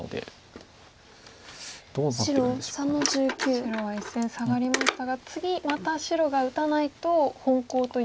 白は１線サガりましたが次また白が打たないと本コウという。